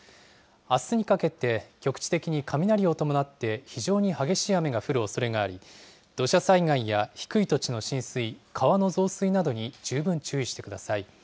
あすにかけて局地的に雷を伴って非常に激しい雨が降るおそれがあり、土砂災害や低い土地の浸水、川の増水などに十分注意してください。